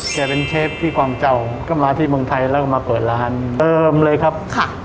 แกเป็นเชฟที่กวางเจ้าก็มาที่เมืองไทยแล้วก็มาเปิดร้านเติมเลยครับค่ะ